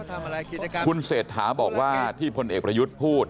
เขาทำอะไรเขาทำอะไรคุณเศรษฐาบอกว่าที่พลเอกระยุทธ์พูด